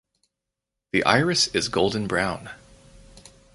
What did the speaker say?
The iris is golden brown.